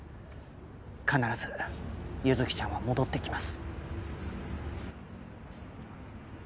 必ず優月ちゃんは戻ってきます